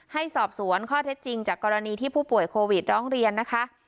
ให้สอบสวนข้อเท็จจริงจากกรณีที่ผู้ป่วยโควิดร้องเรียนนะคะ